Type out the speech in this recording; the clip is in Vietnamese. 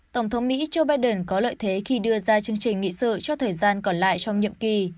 tổng thống mỹ joe biden có lợi thế khi đưa ra chương trình nghị sự cho thời gian còn lại trong nhiệm kỳ